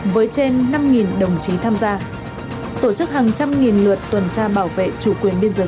với trên năm đồng chí tham gia tổ chức hàng trăm nghìn lượt tuần tra bảo vệ chủ quyền biên giới